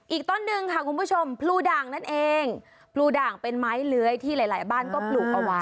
อีกต้นหนึ่งค่ะคุณผู้ชมพลูด่างนั่นเองพลูด่างเป็นไม้เลื้อยที่หลายหลายบ้านก็ปลูกเอาไว้